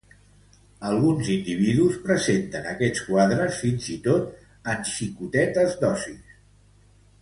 Alguns individus presenten aquests quadres fins i tot en xicotetes dosis.